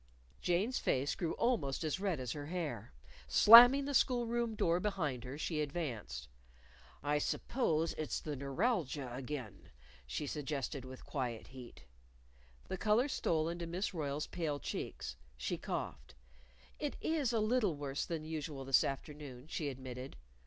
Jane's face grew almost as red as her hair. Slamming the school room door behind her, she advanced. "I suppose it's the neuralgia again," she suggested with quiet heat. The color stole into Miss Royle's pale cheeks. She coughed. "It is a little worse than usual this afternoon," she admitted.